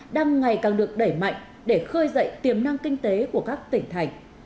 đang ngày càng được đẩy mạnh để khơi dậy tiềm năng kinh tế của các tỉnh thành